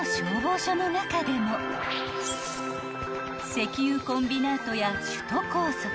［石油コンビナートや首都高速